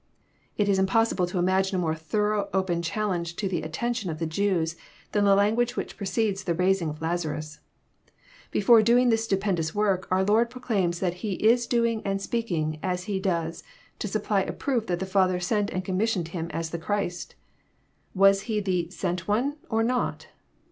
It is impossible to imagine a more thorough open challenge to the attention of the Jews, than the language which preceded the raising of Lazarus. Before doing this stupendous work, our Lord proclaims that He is doing and speaking as He does to sup ply a proof that the Father sent and commissioned Him as the Christ. Was He the " Sent One," or not?